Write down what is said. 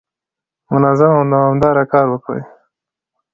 منظم او دوامداره کار وکړئ.